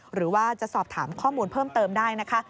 หรือว่าจะสอบถามข้อมูลเพิ่มเติมได้นะคะ